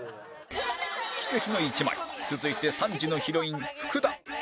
奇跡の１枚続いて３時のヒロイン福田